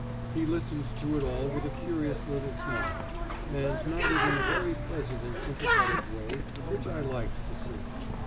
He listened to it all with a curious little smile, and nodded in a very pleasant and sympathetic way which I liked to see.